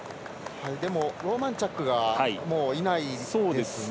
でもローマンチャックがいないですね。